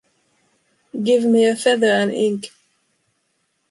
Give me a feather and ink.